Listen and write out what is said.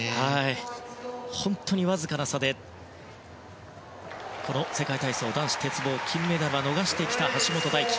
本当にわずかな差でこの世界体操、男子鉄棒で金メダルは逃してきた橋本大輝。